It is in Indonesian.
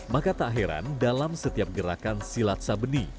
maka tak heran dalam setiap gerakan silat sabeni